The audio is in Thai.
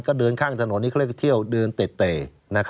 ก็เดินข้างถนนนี้เขาเรียกว่าเดินเต๋ต่น